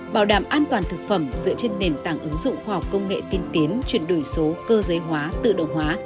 bảo đảm an toàn thực phẩm dựa trên nền tảng ứng dụng khoa học công nghệ tiên tiến chuyển đổi số cơ giới hóa tự động hóa